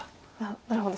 なるほど。